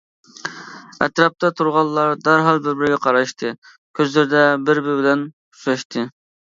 ئەتراپتا تۇرغانلار دەرھال بىر-بىرىگە قاراشتى، كۆزلىرىدە بىر-بىرى بىلەن ئۇچراشتى.